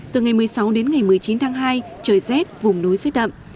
từ ngày một mươi sáu đến ngày một mươi chín tháng hai trời rét vùng núi rét đậm